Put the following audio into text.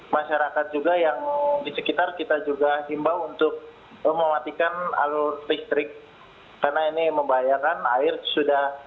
masyarakat juga yang di sekitar kita juga himbau untuk mematikan alur listrik karena ini membahayakan air sudah